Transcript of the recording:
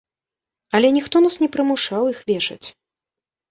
Але ніхто нас не прымушаў іх вешаць.